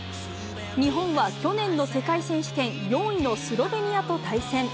日本は去年の世界選手権４位のスロベニアと対戦。